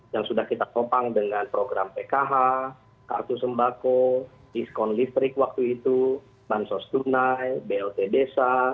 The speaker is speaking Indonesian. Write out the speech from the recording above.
yang sudah kita topang dengan program pkh kartu sembako diskon listrik waktu itu bansos tunai blt desa